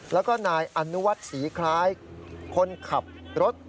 แล้วก็นายอนุวัฒน์ศรีคล้ายคนขับรถ